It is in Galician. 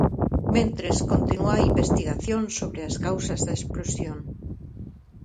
Mentres, continúa a investigación sobre as causas da explosión.